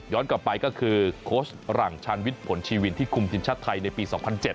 กลับไปก็คือโค้ชหลังชาญวิทย์ผลชีวินที่คุมทีมชาติไทยในปี๒๐๐๗